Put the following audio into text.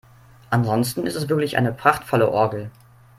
Ansonsten ist es wirklich eine prachtvolle Orgel.